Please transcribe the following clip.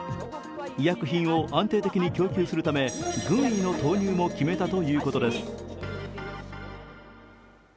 医薬品を安定的に供給するため軍医の投入も決めたということです。